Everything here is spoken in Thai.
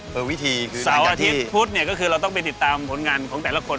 พันธุ์ปุ่นจะต้องติดตามผลงานของแต่ละคน